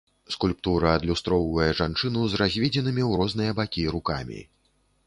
Скульптура адлюстроўвае жанчыну з разведзенымі ў розныя бакі рукамі.